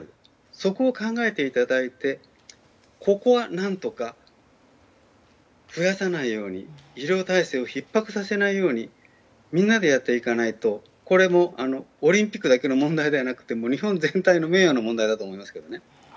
そこを考えていただいてここは何とか増やさないように医療体制をひっ迫させないようにみんなでやっていかないとこれも、オリンピックだけの問題ではなくて日本全体の名誉の問題だと思います。